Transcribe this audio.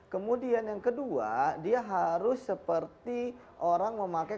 kemudian yang kedua dia harus seperti orang memakai